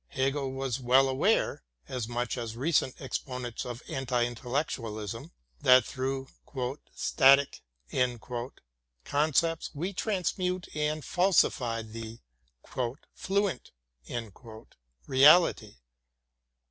Hegel was well aware, as much as recent exponents of anti intellec tualism, that through "static" concepts we transmute and falsify the ''fluent" reality.